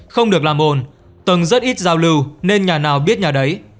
không được làm ồn tầng rất ít giao lưu nên nhà nào biết nhà đấy